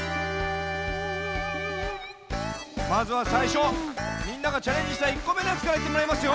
まずはさいしょみんながチャレンジした１こめのやつからいってもらいますよ。